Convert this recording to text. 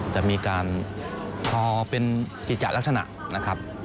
จะมีการพอเป็นกิจจัดลักษณะนะครับ